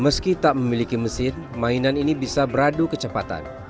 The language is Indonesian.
meski tak memiliki mesin mainan ini bisa beradu kecepatan